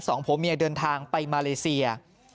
สองผัวเมียเดินทางไปมาเลเซีย